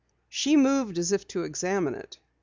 She moved as if to examine it.